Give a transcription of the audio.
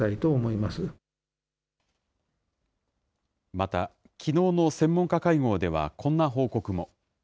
また、きのうの専門家会合ではこんな報告も。